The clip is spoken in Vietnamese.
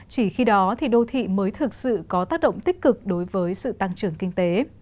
chỉ khi đó thì đô thị mới thực sự có tác động tích cực đối với sự tăng trưởng kinh tế